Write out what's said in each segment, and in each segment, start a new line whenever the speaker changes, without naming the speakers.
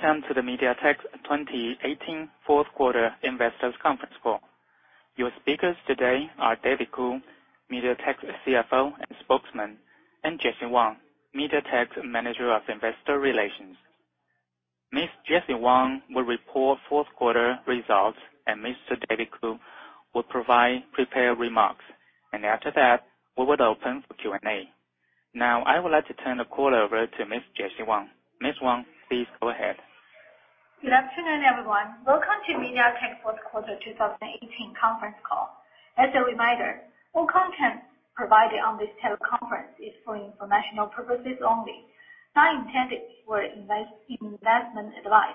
Welcome to the MediaTek 2018 fourth quarter investors conference call. Your speakers today are David Ku, MediaTek's CFO and Spokesman, and Jessie Wang, MediaTek's Manager of Investor Relations. Ms. Jessie Wang will report fourth quarter results. Mr. David Ku will provide prepared remarks. After that, we will open for Q&A. Now, I would like to turn the call over to Ms. Jessie Wang. Ms. Wang, please go ahead.
Good afternoon, everyone. Welcome to MediaTek's fourth quarter 2018 conference call. As a reminder, all content provided on this teleconference is for informational purposes only, not intended for investment advice.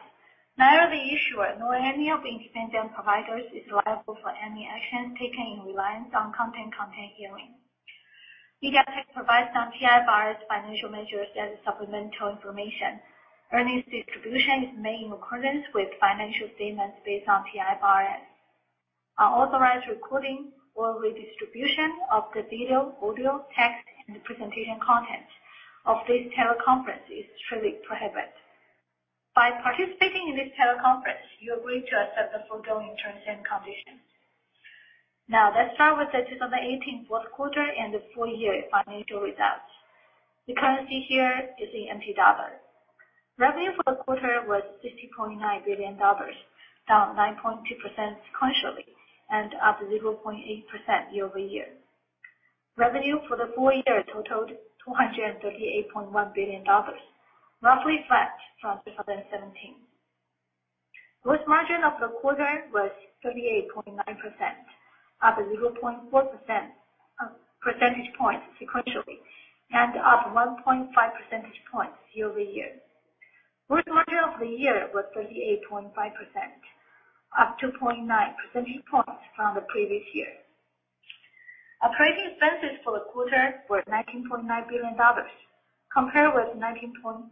Neither the issuer nor any of the independent providers is liable for any action taken in reliance on content contained herein. MediaTek provides non-IFRS financial measures as supplemental information. Earnings distribution is made in accordance with financial statements based on IFRS. Unauthorized recording or redistribution of the video, audio, text, and presentation content of this teleconference is strictly prohibited. By participating in this teleconference, you agree to accept the foregoing terms and conditions. Now, let's start with the 2018 fourth quarter and the full year financial results. The currency here is in TWD. Revenue for the quarter was TWD 60.9 billion, down 9.2% sequentially and up 0.8% year-over-year. Revenue for the full year totaled 238.1 billion dollars, roughly flat from 2017. Gross margin for the quarter was 38.9%, up 0.4 percentage points sequentially and up 1.5 percentage points year-over-year. Gross margin for the year was 38.5%, up 2.9 percentage points from the previous year. Operating expenses for the quarter were 19.9 billion dollars, compared with 19.5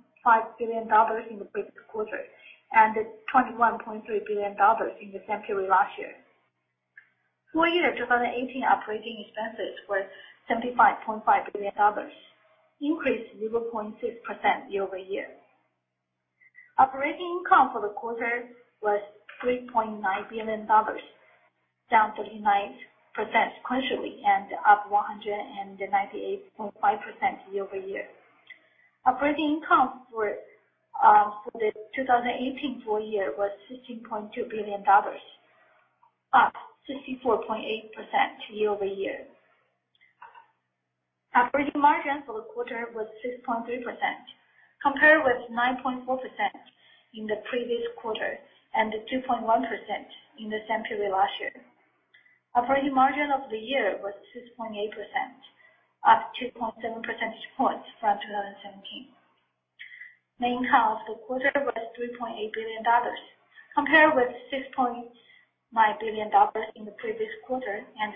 billion dollars in the previous quarter and 21.3 billion dollars in the same period last year. Full year 2018 operating expenses were TWD 75.5 billion, increase 0.6% year-over-year. Operating income for the quarter was 3.9 billion dollars, down 39% sequentially and up 198.5% year-over-year. Operating income for the 2018 full year was 16.2 billion dollars, up 64.8% year-over-year. Operating margin for the quarter was 6.3%, compared with 9.4% in the previous quarter and 2.1% in the same period last year. Operating margin for the year was 6.8%, up 2.7 percentage points from 2017. Net income for the quarter was 3.8 billion dollars, compared with 6.5 billion dollars in the previous quarter and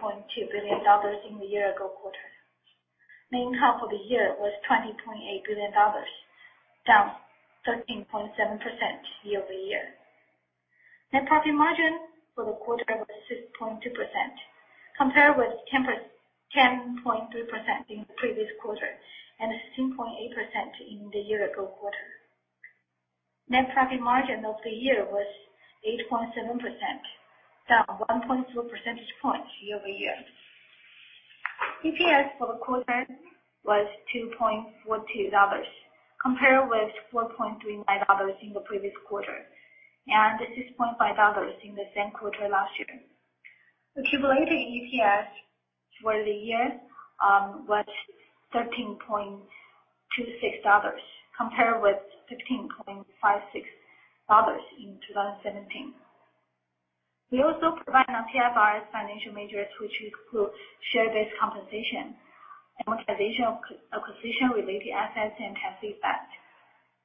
10.2 billion dollars in the year ago quarter. Net income for the year was 20.8 billion dollars, down 13.7% year-over-year. Net profit margin for the quarter was 6.2%, compared with 10.3% in the previous quarter and 16.8% in the year ago quarter. Net profit margin for the year was 8.7%, down 1.2 percentage points year-over-year. EPS for the quarter was 2.42 dollars, compared with 4.39 dollars in the previous quarter and 6.5 dollars in the same quarter last year. The cumulative EPS for the year was 13.26 dollars, compared with 15.56 dollars in 2017. We also provide non-IFRS financial measures, which include share-based compensation, amortization of acquisition related assets and tax effect.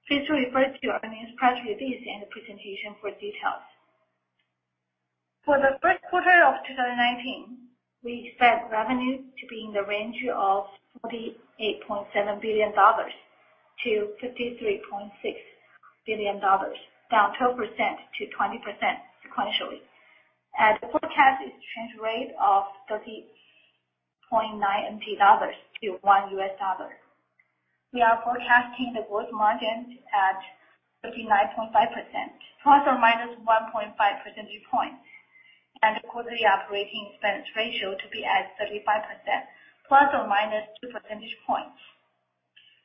Please refer to our news press release and the presentation for details. For the first quarter of 2019, we expect revenue to be in the range of 48.7 billion-53.6 billion dollars, down 12%-20% sequentially, at the forecasted exchange rate of 30.9 NT dollars to $1 US. We are forecasting the gross margin at 39.5% ± 1.5 percentage points. Quarterly operating expense ratio to be at 35% ± 2 percentage points.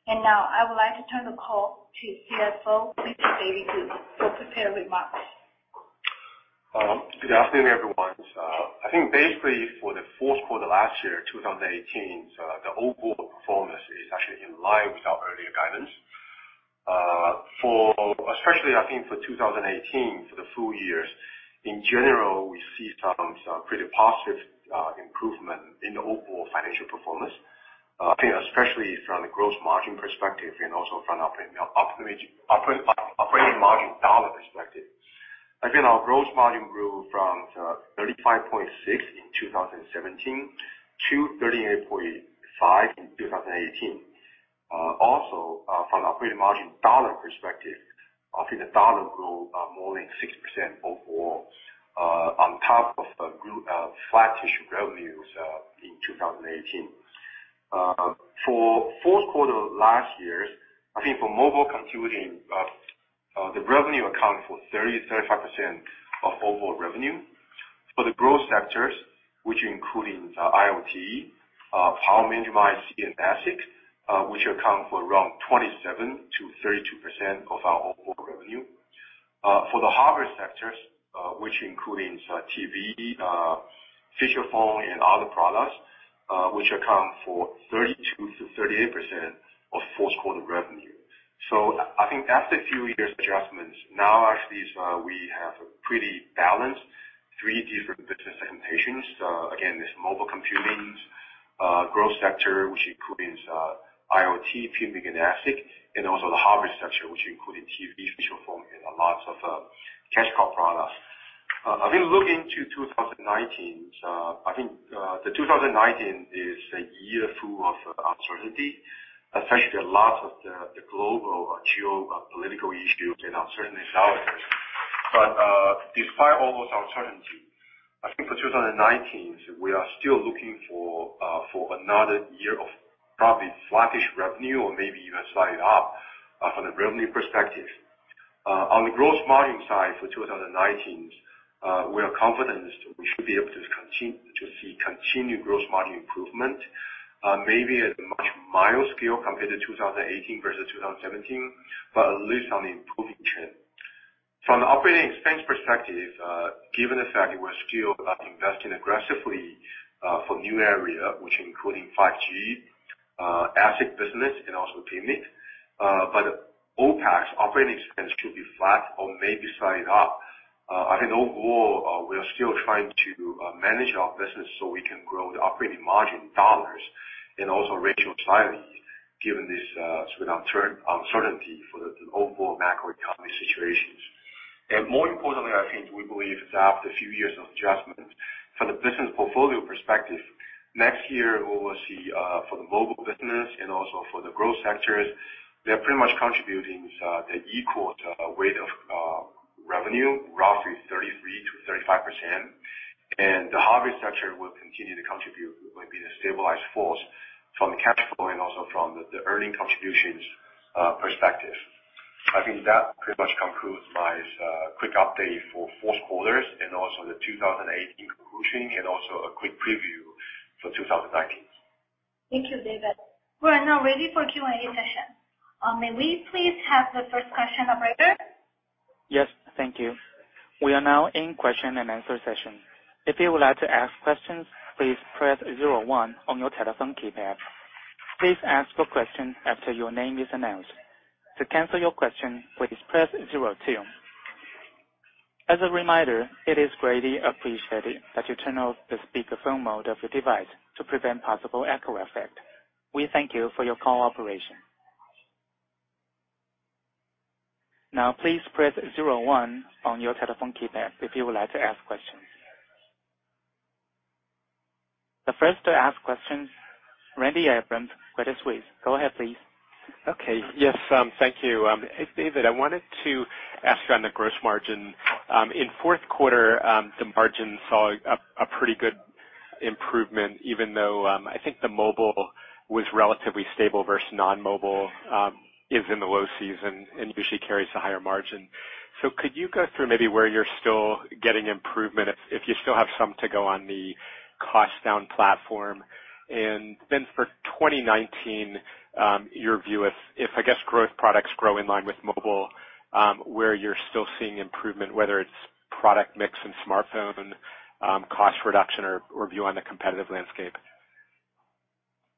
I would like to turn the call to CFO, Mr. David Ku, for prepared remarks.
Good afternoon, everyone. For the fourth quarter last year, 2018, the overall performance is actually in line with our earlier guidance. For 2018, for the full year, in general, we see some pretty positive improvement in the overall financial performance. Especially from the gross margin perspective and also from operating margin dollar perspective. Again, our gross margin grew from 35.6% in 2017 to 38.5% in 2018. From operating margin dollar perspective, the TWD amount grew more than 6% overall, on top of flat-ish revenues in 2018. For fourth quarter of last year, for mobile computing, the revenue accounted for 30%-35% of overall revenue. For the growth sectors, which include IoT, PMIC, and ASIC, which account for around 27%-32% of our overall revenue. For the hardware sectors, which include TV, feature phone, and other products, which account for 32%-38% of fourth quarter revenue. After a few years' adjustments, now actually we have a pretty balanced three different business implementations. Again, there's mobile computing, growth sector, which includes IoT, PMIC, and ASIC, and also the hardware sector, which includes TV, feature phone, and lots of cash cow products. Looking into 2019 is a year full of uncertainty, especially a lot of the global geopolitical issues and uncertainty out there. Despite all those uncertainty, for 2019, we are still looking for another year of probably flattish revenue or maybe even slightly up from the revenue perspective. On the gross margin side for 2019, we are confident we should be able to see continued gross margin improvement, maybe at a much milder scale compared to 2018 versus 2017, but at least on the improving trend. From the operating expense perspective, given the fact that we're still investing aggressively for new areas, which include 5G, ASIC business, and also PMIC. OPEX, operating expense should be flat or maybe slightly up. Overall, we are still trying to manage our business so we can grow the operating margin TWD amounts and also ratio slightly, given this sort of uncertainty for the overall macroeconomic situations. More importantly, I think we believe that after a few years of adjustment, from the business portfolio perspective, next year we will see for the mobile business and also for the growth sectors, they're pretty much contributing the equal weight of revenue, roughly 33%-35%. The hardware sector will continue to contribute, might be the stabilized force from the cash flow and also from the earnings contributions perspective. I think that pretty much concludes my quick update for fourth quarter and also the 2018 conclusion and also a quick preview for 2019.
Thank you, David. We are now ready for Q&A session. May we please have the first question operator?
Yes. Thank you. We are now in question and answer session. If you would like to ask questions, please press 01 on your telephone keypad. Please ask your question after your name is announced. To cancel your question, please press 02. As a reminder, it is greatly appreciated that you turn off the speakerphone mode of your device to prevent possible echo effect. We thank you for your cooperation. Now, please press 01 on your telephone keypad if you would like to ask questions. The first to ask questions, Randy Abrams, Credit Suisse. Go ahead, please.
Okay. Yes. Thank you. Hey, David, I wanted to ask you on the gross margin. In fourth quarter, the margin saw a pretty good improvement even though, I think the mobile was relatively stable versus non-mobile, is in the low season and usually carries a higher margin. Could you go through maybe where you're still getting improvement, if you still have some to go on the cost-down platform? Then for 2019, your view, if I guess growth products grow in line with mobile, where you're still seeing improvement, whether it's product mix in smartphone, cost reduction or view on the competitive landscape.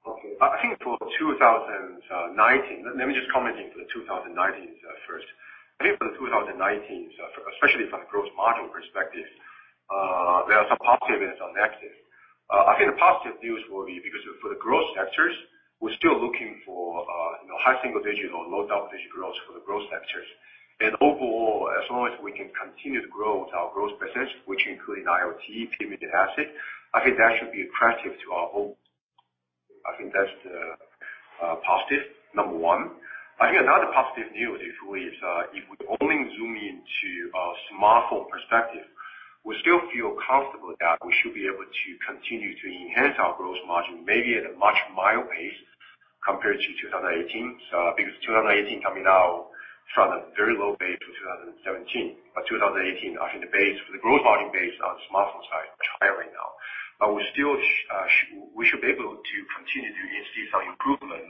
Okay. I think for 2019, let me just comment into the 2019 first. I think for 2019, especially from the gross margin perspective, there are some positive and some negative. I think the positive views will be because for the growth sectors, we're still looking for high single digits or low double-digit growth for the growth sectors. Overall, as long as we can continue to grow with our growth percentage, which include IoT, PMIC, and ASIC, I think that should be attractive to our whole. I think that's the positive number one. I think another positive news is if we only zoom into a smartphone perspective, we still feel comfortable that we should be able to continue to enhance our gross margin, maybe at a much mild pace compared to 2018. Because 2018 coming out from a very low base to 2017. 2018, actually the base, the growth margin base on smartphone side is higher right now. We should be able to continue to see some improvement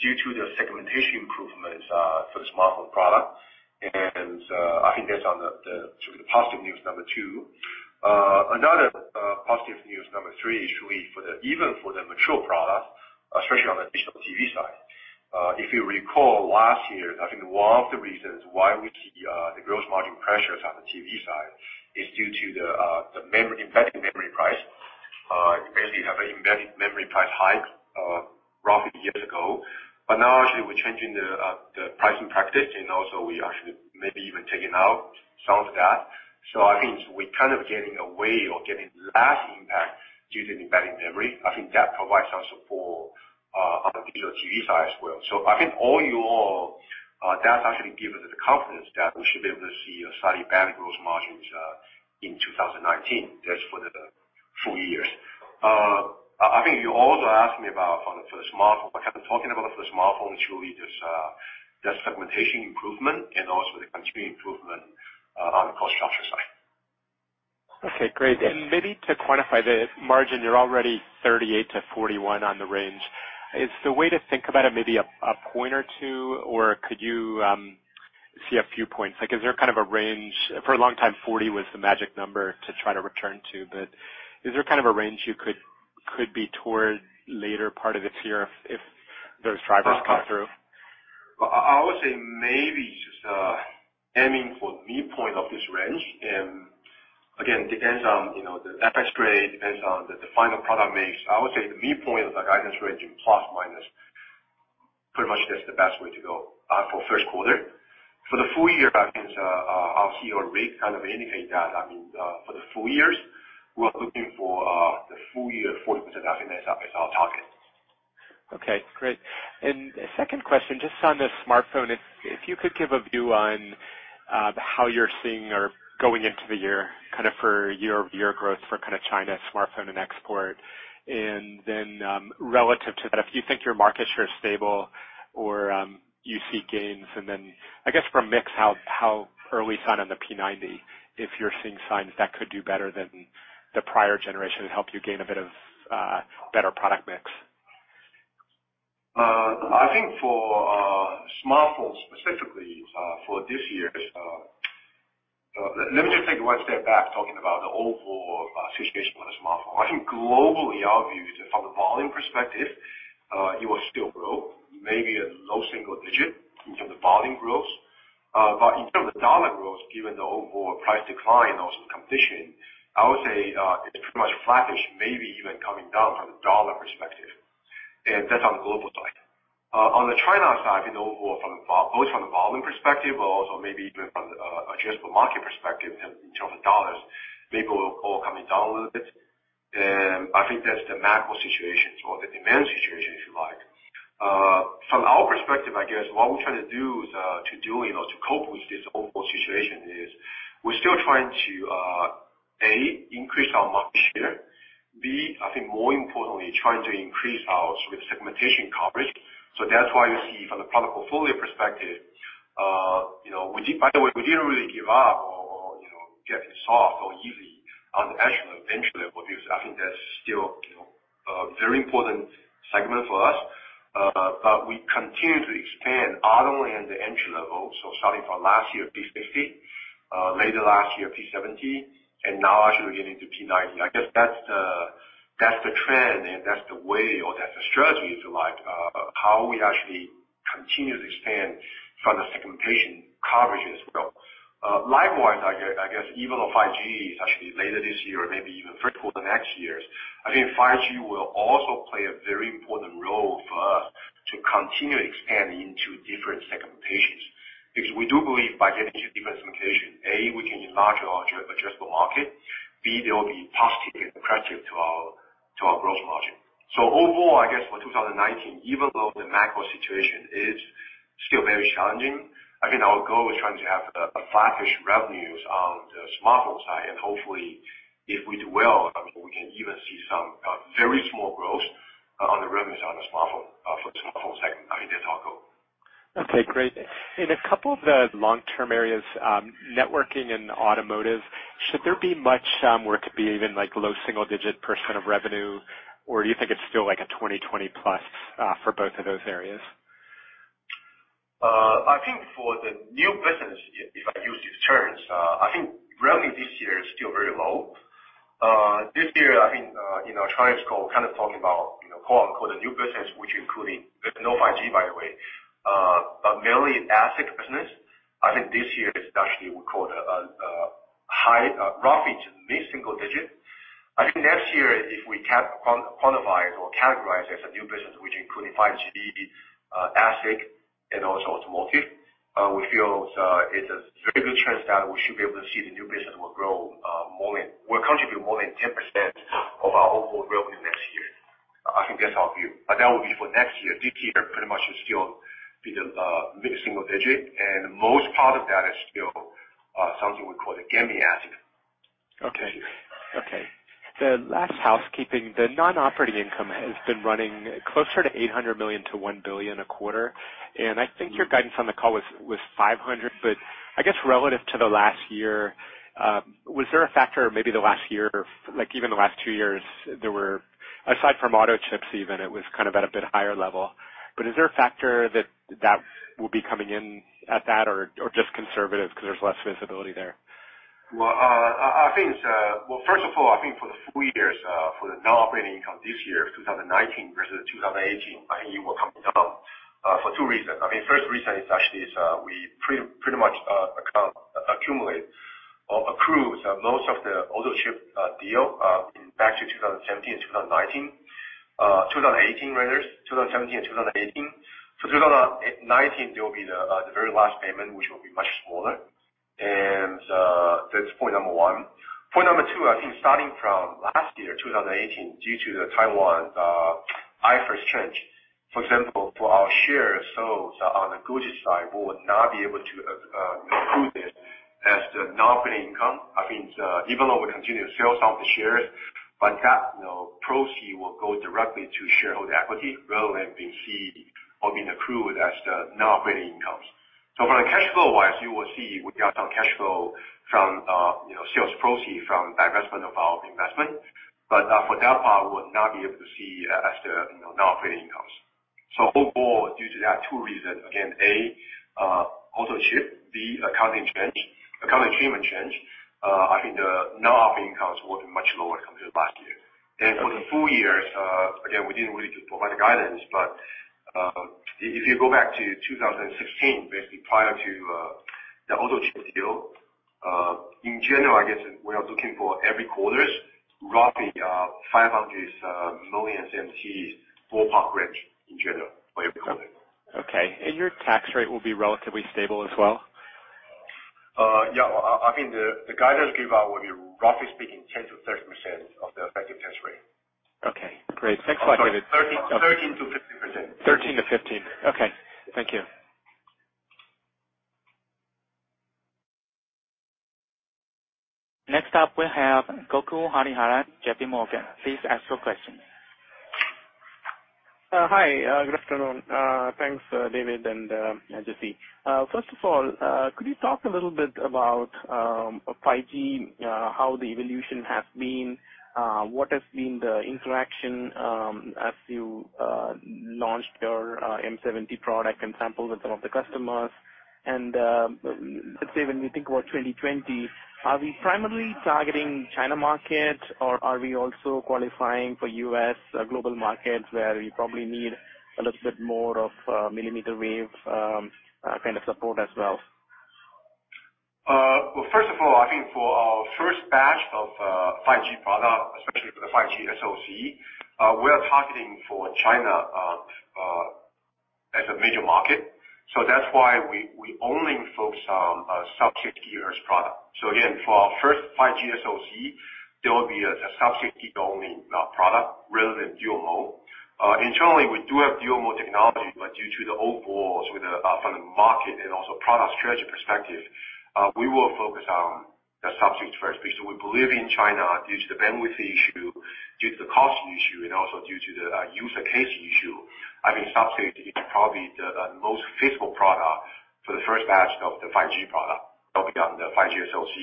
due to the segmentation improvements for the smartphone product. I think that's the positive news number 2. Another positive news number 3 is really even for the mature product, especially on the digital TV side. If you recall last year, I think one of the reasons why we see the gross margin pressures on the TV side is due to the embedded memory price. Basically, have an embedded memory price hike roughly years ago. Now actually we're changing the pricing practice, and also we actually maybe even taking out some of that. I think we kind of getting away or getting less impact due to the embedded memory. I think that provides some support on the digital TV side as well. I think all that's actually given us the confidence that we should be able to see a slightly better growth margins in 2019. That's for the full years. I think you also asked me about for the smartphone. I have been talking about for the smartphone, truly there's segmentation improvement and also the country improvement on the cost structure side.
Okay, great. Maybe to quantify the margin, you're already 38%-41% on the range. Is the way to think about it, maybe a point or two, or could you see a few points? Is there a range? For a long time, 40% was the magic number to try to return to, Is there a range you could be toward later part of this year if those drivers come through?
I would say maybe just aiming for the midpoint of this range. Again, it depends on the FX rate, depends on the final product mix. I would say the midpoint of the guidance range in ±. Pretty much that's the best way to go for first quarter. For the full year guidance, I'll see your rate kind of indicate that. For the full years, we're looking for the full year 40% operating margin as our target.
Okay, great. Second question, just on the smartphone, if you could give a view on how you're seeing or going into the year for your year growth for China smartphone and export. Relative to that, if you think your market share is stable or you see gains, I guess from mix, how early sign on the P90, if you're seeing signs that could do better than the prior generation and help you gain a bit of better product mix.
I think for smartphones specifically for this year. Let me just take one step back talking about the overall situation for the smartphone. I think globally, our view is if from a volume perspective, it will still grow, maybe a low single digit in terms of volume growth. In terms of dollar growth, given the overall price decline, also the competition, I would say, it's pretty much flattish, maybe even coming down from the dollar perspective. That's on the global side. On the China side, both from the volume perspective, but also maybe even from addressable market perspective in terms of dollars, maybe overall coming down a little bit. I think that's the macro situation or the demand situation, if you like. From our perspective, I guess what we're trying to do to cope with this overall situation is we're still trying to, A, increase our market share. B, I think more importantly, trying to increase our sort of segmentation coverage. That's why you see from the product portfolio perspective, by the way, we didn't really give up or get soft or easy on the actual entry-level because I think that's still a very important segment for us. We continue to expand not only in the entry level, so starting from last year, P60, later last year, P70, and now actually we're getting to P90. I guess that's the trend, and that's the way, or that's the strategy, if you like, of how we actually continue to expand from the segmentation coverage as well. Likewise, I guess even on 5G, actually later this year or maybe even first quarter next year, I think 5G will also play a very important role for us to continue expanding into different segmentations. Because we do believe by getting into different segmentation, A, we can enlarge our addressable market. B, there will be positive and impressive to our gross margin. Overall, I guess for 2019, even though the macro situation is still very challenging, I think our goal is trying to have a flattish revenues on the smartphone side. Hopefully, if we do well, we can even see some very small growth on the revenues for the smartphone segment. I think that's our goal.
Okay, great. In a couple of the long-term areas, networking and automotive, should there be much where it could be even low single-digit percent of revenue? Or do you think it's still like a 2020+ for both of those areas?
I think for the new business, if I use these terms, I think revenue this year is still very low. This year, I think in our trying to go, kind of talking about "new business," which including there's no 5G, by the way, but mainly ASIC business. I think this year is actually we call it a high, roughly mid-single-digit. I think next year, if we can quantify it or categorize it as a new business, which including 5G, ASIC, and also automotive, we feel it's a very good chance that we should be able to see the new business will contribute more than 10% of our overall revenue next year. I think that's our view. That will be for next year. This year pretty much is still be the mid-single-digit, and most part of that is still something we call the gaming ASIC.
Okay. The last housekeeping, the non-operating income has been running closer to 800 million to 1 billion a quarter. I think your guidance on the call was 500. I guess relative to the last year, was there a factor maybe the last year, even the last two years, aside from auto chips even, it was at a bit higher level. Is there a factor that will be coming in at that, or just conservative because there's less visibility there?
First of all, I think for the full year, for the non-operating income this year, 2019 versus 2018, I think it will come down, for two reasons. First reason is actually we pretty much accumulate or accrue most of the AutoChips deal back to 2017 and 2018. 2019, there will be the very last payment, which will be much smaller. That is point number one. Point number two, I think starting from last year, 2018, due to the Taiwan IFRS change, for example, for our shares. On the Goodix side, we would not be able to include it as the non-repeat income. Even though we continue to sell some of the shares, but that proceed will go directly to shareholder equity rather than being seen or being approved as the non-repeat incomes. From the cash flow-wise, you will see we got some cash flow from sales proceed from divestment of our investment. For that part, we would not be able to see as the non-repeat incomes. Overall, due to that two reasons, again, A, Dimensity Auto, B, accounting treatment change, I think the non-repeat income was much lower compared to last year. For the full year, again, we didn't really provide the guidance, but, if you go back to 2016, basically prior to the Dimensity Auto deal, in general, I guess we are looking for every quarter, roughly, 500 million, ballpark range in general for every quarter.
Okay. Your tax rate will be relatively stable as well?
Yeah. I think the guidance given out will be roughly speaking, 10%-30% of the effective tax rate.
Okay, great. Thanks a lot, David.
Sorry. 13%-15%.
13%-15%. Okay, thank you.
Next up we have Gokul Hariharan, J.P. Morgan. Please ask your question.
Hi, good afternoon. Thanks, David and Jessie. First of all, could you talk a little bit about 5G, how the evolution has been? What has been the interaction, as you launched your M70 product and sampled with some of the customers? Let's say when we think about 2020, are we primarily targeting China market or are we also qualifying for U.S. global markets where we probably need a little bit more of millimeter wave support as well?
Well, first of all, I think for our first batch of 5G product, especially for the 5G SoC, we are targeting for China as a major market. That's why we only focus on sub-6 GHz product. Again, for our first 5G SoC, there will be a sub-6 GHz only product rather than dual-mode. Internally, we do have dual-mode technology, due to the overall from the market and also product strategy perspective, we will focus on the sub-6 first, because we believe in China, due to the bandwidth issue, due to the cost issue, and also due to the use case issue, sub-6 is probably the most feasible product for the first batch of the 5G product. That will be on the 5G SoC.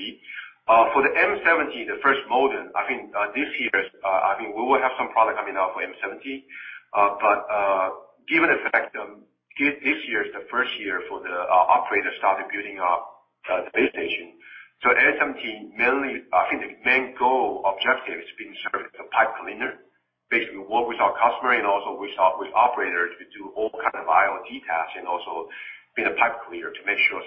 For the M70, the first modem, this year, I think we will have some product coming out for M70. Given the fact that this year is the first year for the operator started building up the base station. M70, I think the main goal, objective is being served as a pipe cleaner, basically work with our customer and also with operators to do all kind of IoT tasks and also be the pipe cleaner to make sure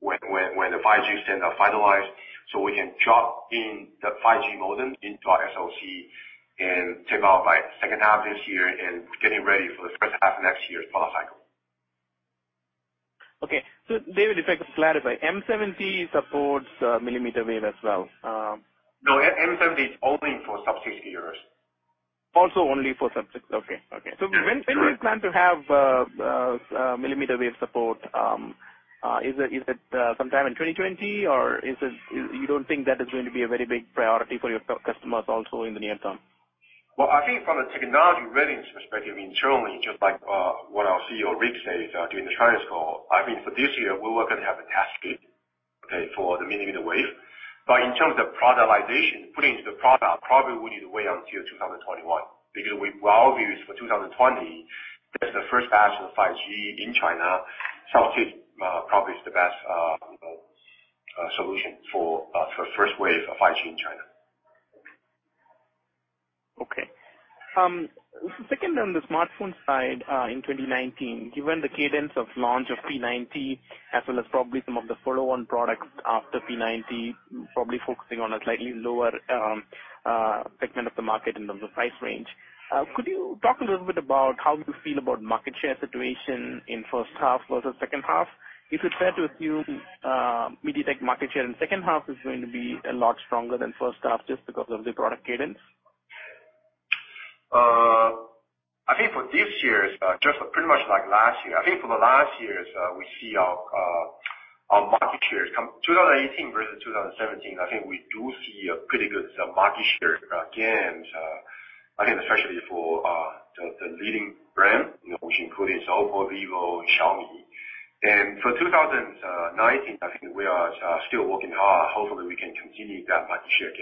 when the 5G standard is finalized, we can drop in the 5G modem into our SoC and take off by second half of this year and getting ready for the first half of next year product cycle.
Okay. David, if I could clarify, M70 supports millimeter wave as well?
No, Helio M70 is only for sub-6 GHz.
Also only for sub-6. Okay.
Yes.
When do you plan to have millimeter wave support? Is it sometime in 2020, or you don't think that is going to be a very big priority for your customers also in the near term?
Well, I think from a technology readiness perspective, internally, just like what our CEO, Rick said, during the China's call. I think for this year, we are going to have a test kit, okay, for the millimeter wave. In terms of productization, putting into the product, probably we need to wait until 2021. Our view is for 2020, that's the first batch of 5G in China. Sub-6, probably is the best solution for first wave of 5G in China.
Okay. Second, on the smartphone side, in 2019, given the cadence of launch of P90, as well as probably some of the follow-on products after P90, probably focusing on a slightly lower segment of the market in terms of price range. Could you talk a little bit about how you feel about market share situation in first half versus second half? Is it fair to assume MediaTek market share in second half is going to be a lot stronger than first half just because of the product cadence?
I think for this year, just pretty much like last year. I think for the last years, we see our market shares. 2018 versus 2017, I think we do see a pretty good market share gains, I think especially for the leading brand, which includes Oppo, Vivo, and Xiaomi. For 2019, I think we are still working hard. Hopefully, we can continue that market share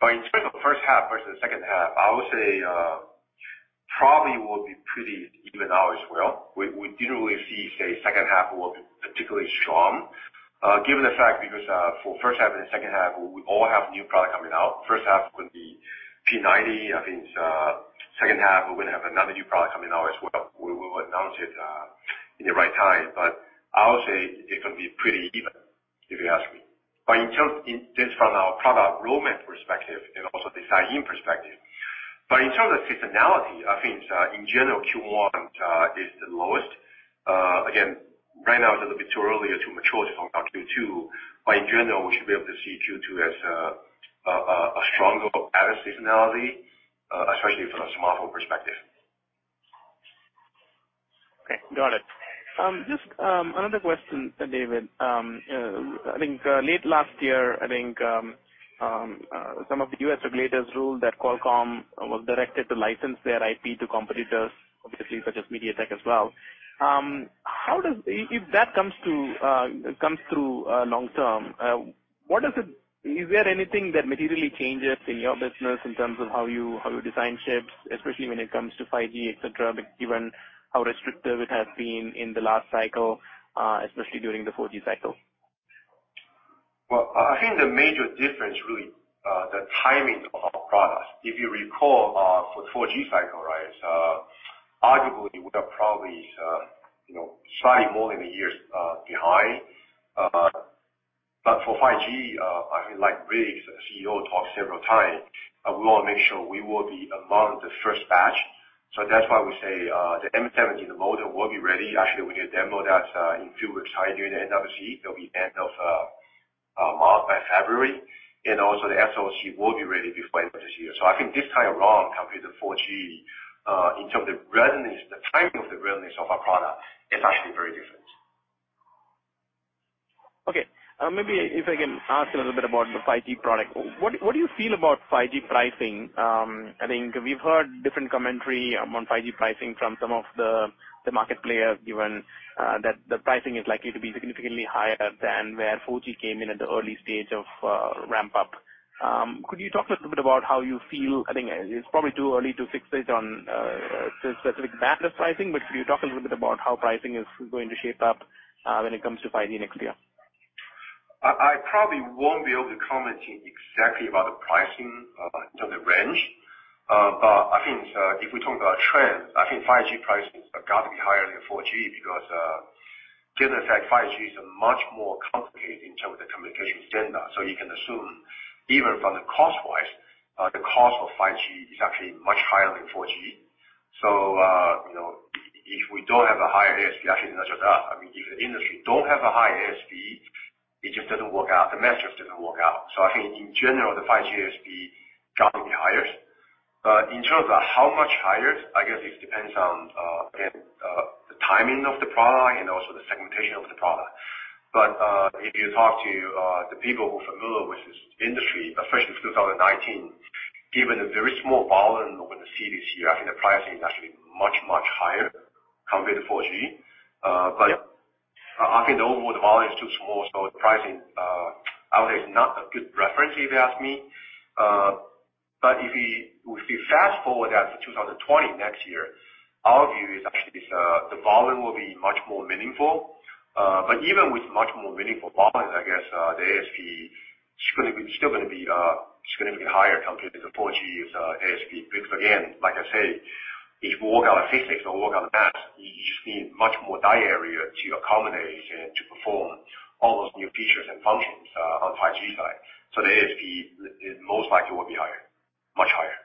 gain. In spite of first half versus second half, I would say, probably we'll be pretty even out as well. We didn't really see, say, second half will be particularly strong. Given the fact because, for first half and second half, we all have new product coming out. First half could be P90. I think, second half, we will have another new product coming out as well. We will announce it in the right time. I would say it can be pretty even, if you ask me. Just from our product roadmap perspective and also design-in perspective. In terms of seasonality, I think in general, Q1 is the lowest. Again, right now it's a little bit too early to mature to talk about Q2, but in general, we should be able to see Q2 as a stronger out of seasonality, especially from a smartphone perspective.
Okay, got it. Just another question, David Ku. Late last year, I think some of the U.S. regulators ruled that Qualcomm was directed to license their IP to competitors, obviously, such as MediaTek as well. If that comes through long term, is there anything that materially changes in your business in terms of how you design chips, especially when it comes to 5G, et cetera, given how restrictive it has been in the last cycle, especially during the 4G cycle?
Well, I think the major difference, really, the timing of our products. If you recall, for 4G cycle, arguably, we are probably slightly more than a year behind. For 5G, I think like Rick, the CEO, talked several times, we want to make sure we will be among the first batch. That's why we say, the M70, the modem will be ready. Actually, we did a demo that in few weeks time, during the MWC, they'll be end of March, by February, and also the SoC will be ready before the end of this year. I think this time around, compared to 4G, in terms of the timing of the readiness of our product, is actually very different.
Okay. Maybe if I can ask a little bit about the 5G product. What do you feel about 5G pricing? I think we've heard different commentary among 5G pricing from some of the market players, given that the pricing is likely to be significantly higher than where 4G came in at the early stage of ramp up. Could you talk a little bit about how you feel? I think it's probably too early to fixate on specific matters pricing, but could you talk a little bit about how pricing is going to shape up when it comes to 5G next year?
I probably won't be able to comment exactly about the pricing in terms of range. I think if we talk about trend, I think 5G pricing has got to be higher than 4G because, given the fact 5G is a much more complicated in terms of the communication standard. You can assume even from the cost wise, the cost of 5G is actually much higher than 4G. If we don't have a higher ASP, actually, not just us, if the industry don't have a higher ASP, it just doesn't work out. The math doesn't work out. I think in general, the 5G ASP got to be higher. In terms of how much higher, I guess it depends on, again, the timing of the product and also the segmentation of the product. If you talk to the people who are familiar with this industry, especially 2019, given a very small volume over the CDC, I think the pricing is actually much, much higher compared to 4G. I think the overall volume is too small, so the pricing out there is not a good reference, if you ask me. If you fast-forward that to 2020, next year, our view is actually the volume will be much more meaningful. Even with much more meaningful volumes, I guess, the ASP is still going to be significantly higher compared to the 4G ASP. Because, again, like I say, if we work on the physics or work on the maths, you just need much more die area to accommodate and to perform all those new features and functions on 5G side. The ASP most likely will be higher, much higher.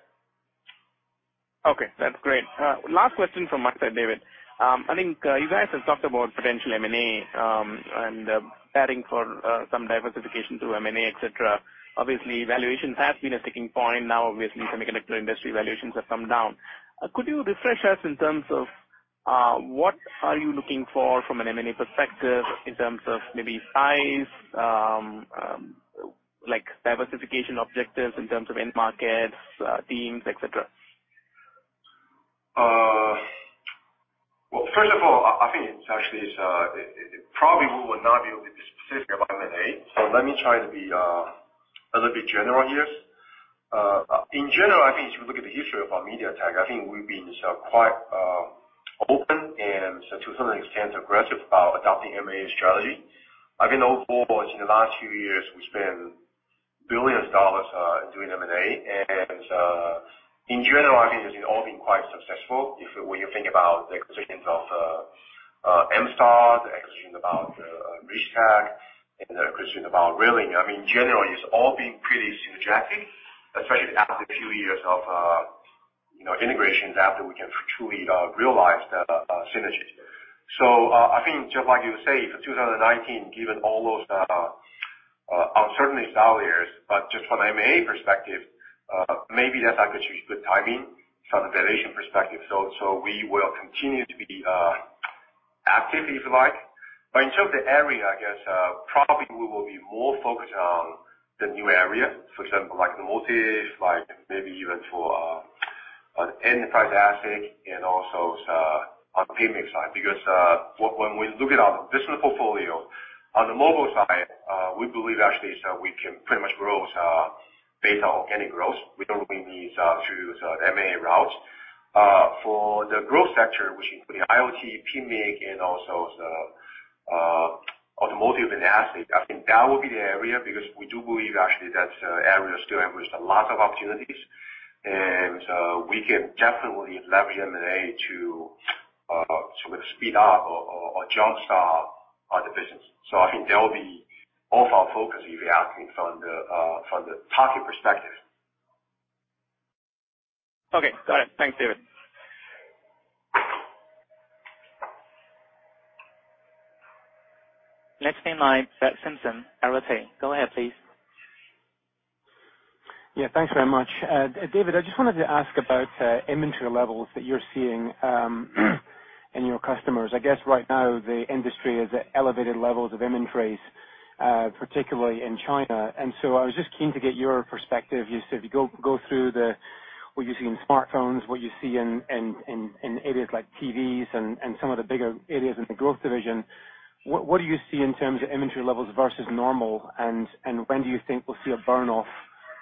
Okay, that's great. Last question from my side, David. You guys have talked about potential M&A, and adding for some diversification through M&A, et cetera. Valuations have been a sticking point. Semiconductor industry valuations have come down. Could you refresh us in terms of what are you looking for from an M&A perspective in terms of maybe size, diversification objectives in terms of end markets, teams, et cetera?
We will not be able to be specific about M&A. Let me try to be a little bit general here. If you look at the history of MediaTek, we've been quite open and to some extent, aggressive about adopting M&A strategy. In the last few years, we spent billions of TWD doing M&A. In general, it's all been quite successful. When you think about the acquisition of MStar, the acquisition about Richtek, and the acquisition about Ralink. In general, it's all been pretty synergetic, especially after a few years of integrations, after we can truly realize the synergy. Just like you say, for 2019, given all those uncertainty scenarios, but just from an M&A perspective, maybe that's actually good timing from a valuation perspective. We will continue to be active, if you like. In terms of the area, we will be more focused on the new area, for example, like the automotive, like maybe even for an enterprise ASIC and also on PMIC side. When we look at our business portfolio, on the mobile side, we believe actually that we can pretty much grow based on organic growth. We don't really need to use M&A routes. For the growth sector, which include IoT, PMIC, and also the automotive and ASIC, that would be the area because we do believe actually that area still harbors a lot of opportunities, and we can definitely leverage M&A to sort of speed up or jump-start the business. That will be all of our focus, if you ask me from the target perspective.
Okay, got it. Thanks, David. Next in line, Brett Simpson, Arete Research. Go ahead, please.
Yeah, thanks very much. David, I just wanted to ask about inventory levels that you're seeing in your customers. I guess right now the industry is at elevated levels of inventories, particularly in China. I was just keen to get your perspective. You said if you go through what you see in smartphones, what you see in areas like TVs and some of the bigger areas in the growth division, what do you see in terms of inventory levels versus normal? When do you think we'll see a burn-off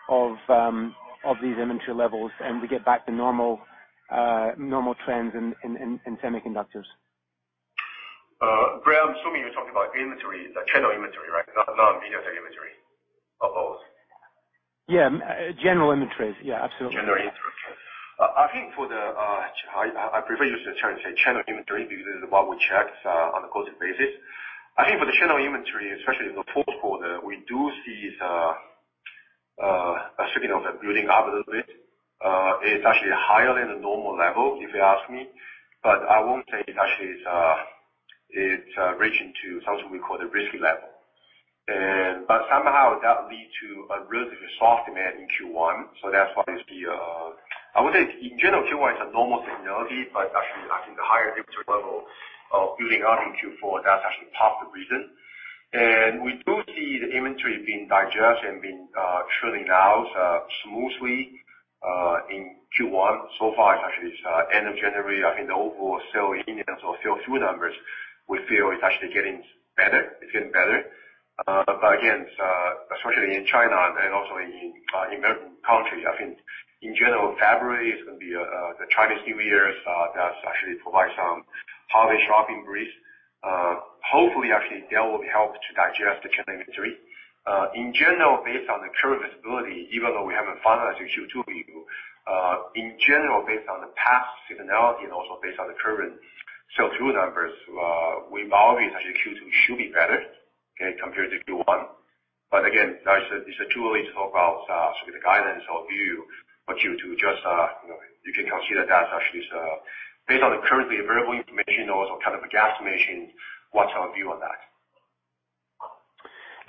of these inventory levels and we get back to normal trends in semiconductors?
Brett, assuming you're talking about inventory, the channel inventory, right? Not MediaTek inventory at all.
Yeah. General inventories. Yeah, absolutely.
General inventories. I prefer to use the term, say, channel inventory because it is what we check on a quarterly basis. I think for the channel inventory, especially in the fourth quarter, we do see a sort of building up a little bit. It's actually higher than the normal level, if you ask me. I won't say it actually is reaching to something we call the risky level. Somehow that lead to a relatively soft demand in Q1. That's why it's the, I would say in general, Q1 is a normal seasonality, but actually, I think the higher inventory level of building out in Q4, that's actually part of the reason. We do see the inventory being digested and trailing out smoothly, in Q1 so far. It's actually end of January, I think the overall sell units or sell-through numbers, we feel it's actually getting better. Again, especially in China and also in emerging countries, I think in general, February is going to be the Chinese New Year. That actually provides some holiday shopping breeze. Hopefully, actually, that will help to digest the channel inventory. In general, based on the current visibility, even though we haven't finalized the Q2 review, in general, based on the past seasonality and also based on the current sell-through numbers, we believe actually Q2 should be better, okay, compared to Q1. Again, that is a tool. It's all about sort of the guidance or view for Q2. You can consider that actually is based on the currently available information or kind of a guesstimation, what's our view on that.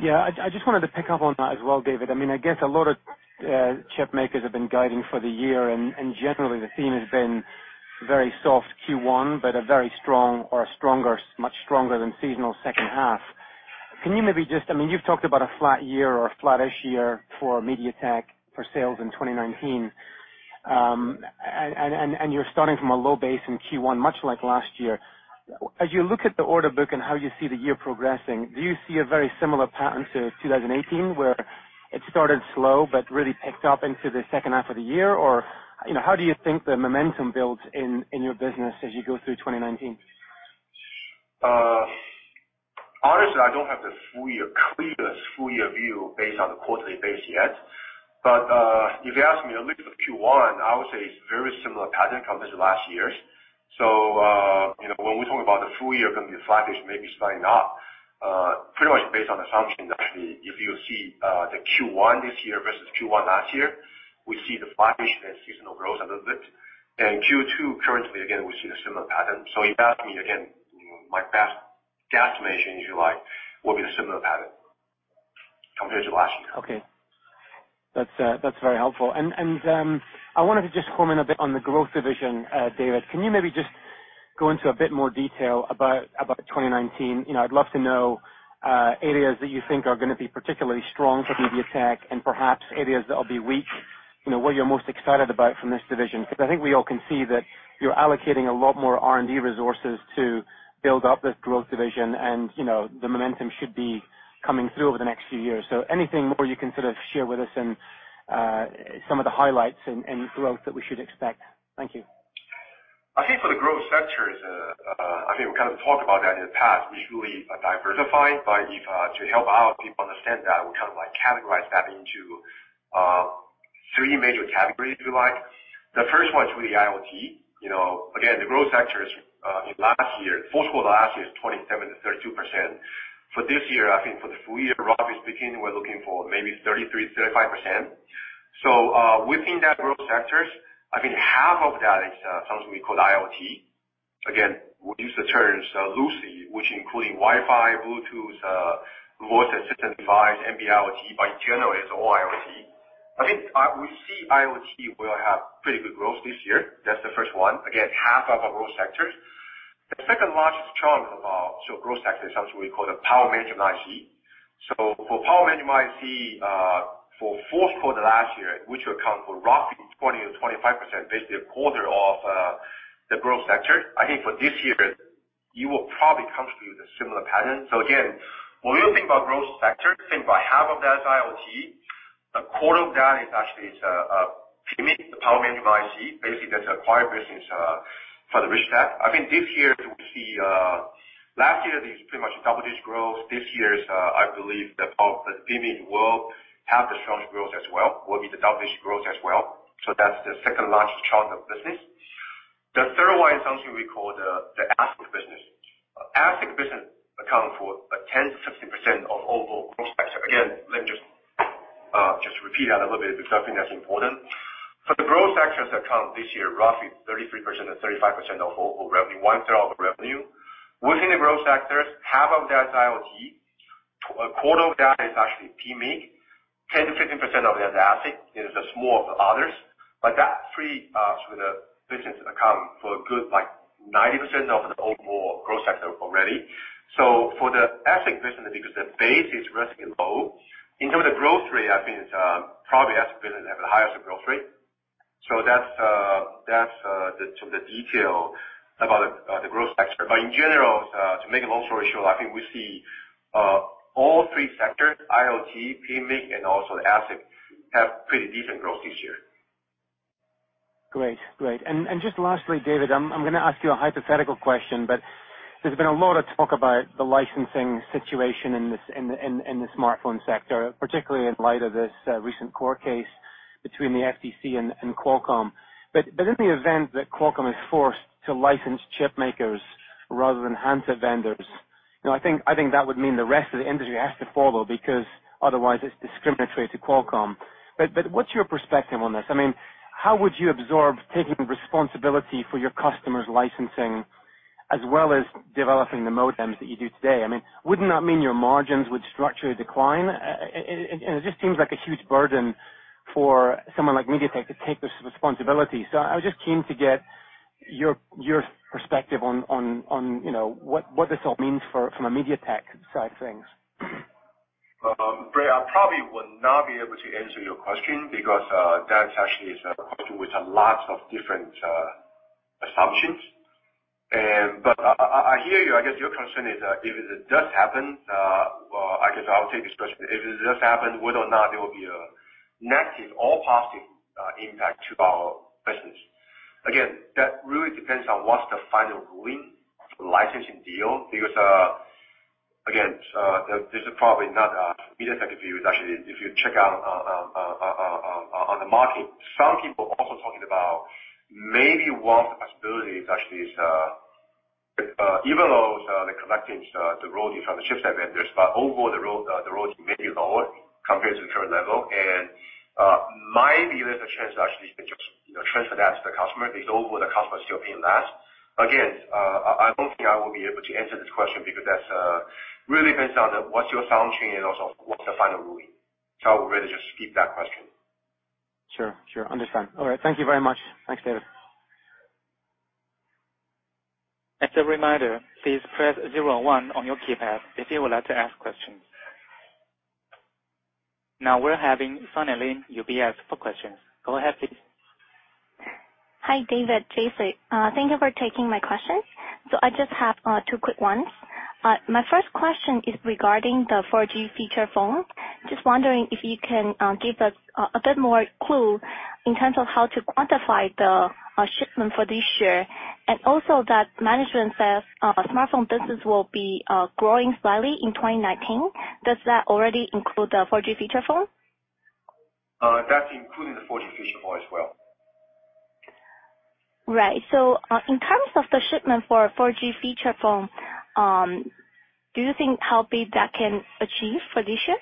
I just wanted to pick up on that as well, David. I guess a lot of chip makers have been guiding for the year, generally the theme has been very soft Q1, a very strong or a much stronger than seasonal second half. You've talked about a flat year or a flattish year for MediaTek for sales in 2019. You're starting from a low base in Q1, much like last year. As you look at the order book and how you see the year progressing, do you see a very similar pattern to 2018 where it started slow but really picked up into the second half of the year? How do you think the momentum builds in your business as you go through 2019?
Honestly, I don't have the clearest full year view based on the quarterly base yet. If you ask me, at least for Q1, I would say it's very similar pattern compared to last year's. When we talk about the full year going to be flattish, maybe slightly not, pretty much based on assumption, actually, if you see the Q1 this year versus Q1 last year, we see the flattish, then seasonal growth a little bit. Q2 currently, again, we see the similar pattern. If you ask me again, my best guesstimation, if you like, will be the similar pattern compared to last year.
That's very helpful. I wanted to just comment a bit on the growth division, David. Can you maybe just go into a bit more detail about 2019? I'd love to know areas that you think are going to be particularly strong for MediaTek and perhaps areas that will be weak, what you're most excited about from this division. I think we all can see that you're allocating a lot more R&D resources to build up this growth division, and the momentum should be coming through over the next few years. Anything more you can sort of share with us and some of the highlights in growth that we should expect. Thank you.
I think for the growth sectors, we kind of talked about that in the past. We truly diversified. If to help our people understand that, we kind of categorize that into three major categories, if you like. The first one is really IoT. Again, the growth sectors in last year, fourth quarter last year is 27%-32%. For this year, I think for the full year, roughly speaking, we're looking for maybe 33%-35%. Within that growth sectors, I think half of that is something we call IoT. Again, we use the term loosely, which including Wi-Fi, Bluetooth, voice assistant device, NB-IoT. In general, it's all IoT. I think we see IoT will have pretty good growth this year. That's the first one. Again, half of our growth sectors. The second largest chunk of growth sector is something we call the power management IC. For power management IC, for fourth quarter last year, which will account for roughly 20%-25%, basically a quarter of the growth sector. I think for this year, you will probably come through with a similar pattern. Again, when we think about growth sector, think about half of that is IoT. A quarter of that is actually PMIC, the power management IC. Basically, that's acquired business for the Richtek. I think this year we see last year, this is pretty much double-digit growth. I believe that PMIC will have the strongest growth as well, will be the double-digit growth as well. That's the second largest chunk of business. The third one is something we call the ASIC business. ASIC business account for 10%-15% of overall growth sector. Again, let me just repeat that a little bit, because I think that's important. The growth sectors account this year, roughly 33%-35% of overall revenue, one-third of revenue. Within the growth sectors, half of that is IoT. A quarter of that is actually PMIC. 10%-15% of that is ASIC. There's a small of others. That three sort of businesses account for a good 90% of the overall growth sector already. For the ASIC business, because the base is relatively low, in terms of the growth rate, I think it's probably ASIC business have the highest growth rate. That's the sort of detail about the growth sector. In general, to make a long story short, I think we see all three sectors, IoT, PMIC, and also the ASIC, have pretty decent growth this year.
Great. Just lastly, David, I'm going to ask you a hypothetical question, there's been a lot of talk about the licensing situation in the smartphone sector, particularly in light of this recent court case between the FTC and Qualcomm. In the event that Qualcomm is forced to license chip makers rather than handset vendors, I think that would mean the rest of the industry has to follow because otherwise it's discriminatory to Qualcomm. What's your perspective on this? How would you absorb taking responsibility for your customers' licensing as well as developing the modems that you do today? Wouldn't that mean your margins would structurally decline? It just seems like a huge burden for someone like MediaTek to take this responsibility. I was just keen to get your perspective on what this all means from a MediaTek side of things.
Brett, I probably will not be able to answer your question because that actually is a question with lots of different assumptions. I hear you. I guess your concern is if it does happen, I guess I'll take this question. If it does happen, whether or not there will be a negative or positive impact to our business. Again, that really depends on what's the final ruling of the licensing deal, because, again, this is probably not a MediaTek view. It's actually, if you check on the market, some people also talking about maybe one of the possibilities actually is, even though they collecting the royalties from the chipset vendors, but overall, the royalties may be lower compared to the current level. My view is the chance to actually just transfer that to the customer, because overall, the customer is still paying less. Again, I don't think I will be able to answer this question because that really depends on what's your assumption and also what's the final ruling. I would rather just skip that question.
Sure. Understand. All right. Thank you very much. Thanks, David.
As a reminder, please press 01 on your keypad if you would like to ask questions. Now we're having Sunny Lin, UBS, for questions. Go ahead, please.
Hi, David Jessie. Thank you for taking my questions. I just have two quick ones. My first question is regarding the 4G feature phone. Just wondering if you can give us a bit more clue in terms of how to quantify the shipment for this year. Also that management says smartphone business will be growing slightly in 2019. Does that already include the 4G feature phone?
That's including the 4G feature phone as well.
Right. In terms of the shipment for a 4G feature phone, do you think how big that can achieve for this year?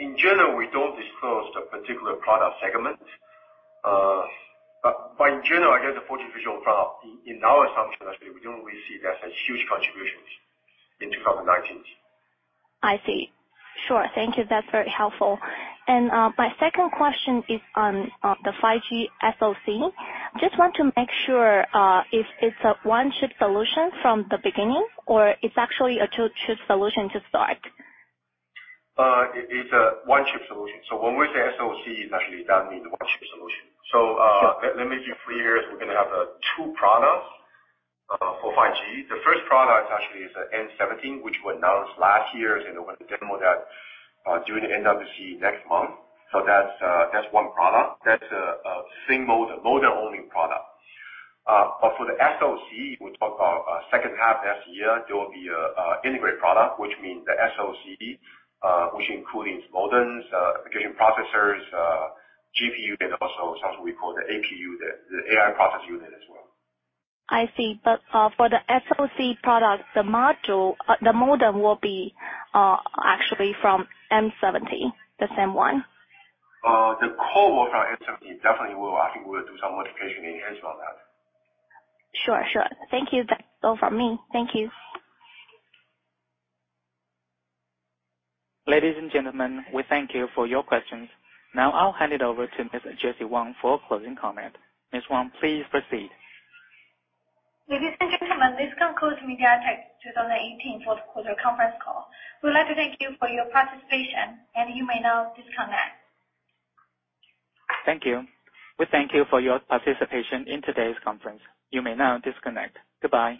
In general, we don't disclose the particular product segments. In general, I guess the 4G feature phone, in our assumption, actually, we don't really see that as huge contributions in 2019.
I see. Sure. Thank you. That's very helpful. My second question is on the 5G SoC. Just want to make sure, if it's a one-chip solution from the beginning, or it's actually a two-chip solution to start.
It is a one-chip solution. When we say SoC, it actually does mean a one-chip solution.
Sure.
Let me give you three years. We're going to have two products for 5G. The first product actually is the Helio M70, which we announced last year, and we're going to demo that during the MWC next month. That's one product. That's a single modem-only product. For the SoC, we talk about second half of this year, there will be an integrated product, which means the SoC, which includes modems, communication processors, GPU, and also something we call the APU, the AI processing unit as well.
I see. For the SoC product, the modem will be actually from M70, the same one?
The core will be from M70, definitely will. I think we'll do some modification enhancements on that.
Sure. Thank you. That's all from me. Thank you.
Ladies and gentlemen, we thank you for your questions. Now I'll hand it over to Ms. Jessie Wang for a closing comment. Ms. Wang, please proceed.
Ladies and gentlemen, this concludes MediaTek 2018 fourth quarter conference call. We'd like to thank you for your participation, and you may now disconnect.
Thank you. We thank you for your participation in today's conference. You may now disconnect. Goodbye.